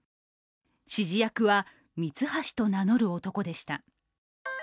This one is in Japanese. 指示役は、ミツハシと名乗る男でした。